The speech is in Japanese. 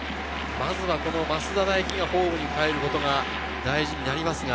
まずは増田大輝がホームにかえることが大事になります。